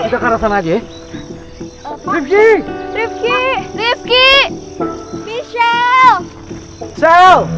kita ke arah sana aja ya